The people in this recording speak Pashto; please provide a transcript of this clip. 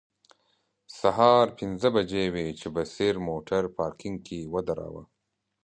سهار پنځه بجې وې چې بصیر موټر پارکینګ کې و دراوه.